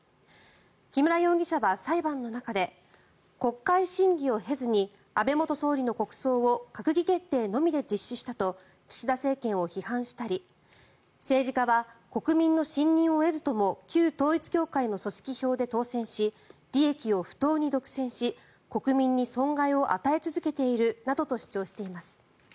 木村容疑者は裁判の中で国会審議を経ずに安倍元総理の国葬を閣議決定のみで実施したと岸田政権を批判したり政治家は国民の信任を得ずとも旧統一教会の組織票で当選し利益を不当に独占し国民に損害を与え続けているなどと主張しています。